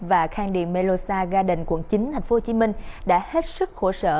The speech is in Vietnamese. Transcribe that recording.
và khang điền melosa garden quận chín tp hcm đã hết sức khổ sở